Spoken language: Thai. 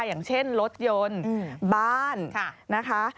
อย่างเช่นรถยนต์บ้านนะคะ